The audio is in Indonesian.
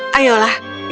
ilario aku sudah menunggumu